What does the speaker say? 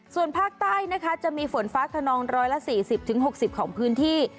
ส่วนภาคใต้นะคะจะมีฝนฟ้าขนอง๑๔๐๖๐ของพื้นที่